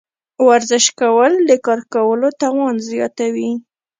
ورزش کول د کار کولو توان زیاتوي.